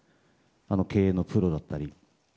経営のプロだったり。